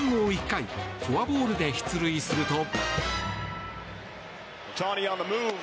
１回フォアボールで出塁すると。